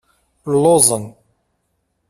Lluẓen.